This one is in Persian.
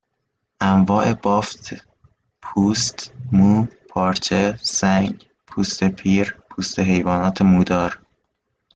انواع بافت پوست مو پارچه سنگ پوست پیر پوست حیوانات مودار